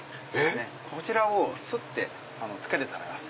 こちらをすってつけて食べます。